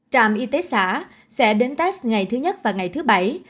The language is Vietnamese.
trạm y tế xã sẽ đến test ngày thứ nhất và ngày thứ bảy